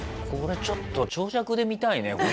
これちょっと長尺で見たいね